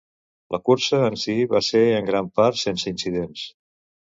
La cursa en si va ser en gran part sense incidents.